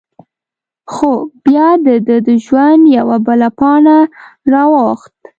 خو؛ بیا د دهٔ د ژوند یوه بله پاڼه را واوښته…